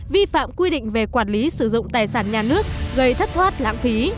vi phạm quy định về quản lý sử dụng tài sản nhà nước gây thất thoát lãng phí